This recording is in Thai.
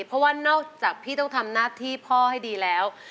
เพราะว่านอกจากพี่ต้องทำหน้าที่พ่อให้ดีแล้ว